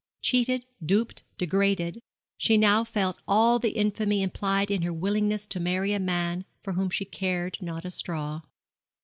Cheated, duped, degraded, she now felt all the infamy implied in her willingness to marry a man for whom she cared not a straw.